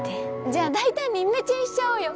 じゃあ大胆にイメチェンしちゃおうよ！